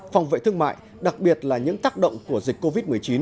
phòng vệ thương mại đặc biệt là những tác động của dịch covid một mươi chín